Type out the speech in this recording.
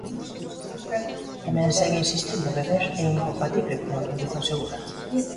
Tamén segue insistindo: beber é incompatible cunha condución segura.